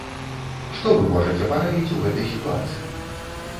Што вы можаце параіць у гэтай сітуацыі?